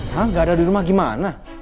hah gak ada di rumah gimana